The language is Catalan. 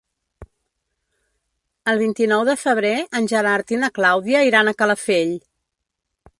El vint-i-nou de febrer en Gerard i na Clàudia iran a Calafell.